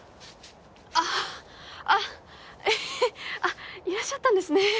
あっあっえいらっしゃったんですね。